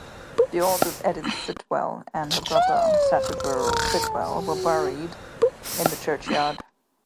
The authors Edith Sitwell and her brother Sacheverell Sitwell are buried in the churchyard.